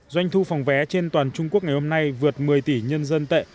doanh thu phòng vé trên toàn trung quốc ngày hôm nay vượt một mươi tỷ nhân dân tệ